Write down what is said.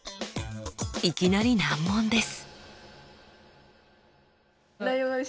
いきなり難問です。